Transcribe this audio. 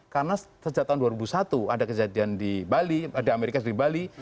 karena sejak tahun dua ribu satu ada kejadian di bali ada amerika seri bali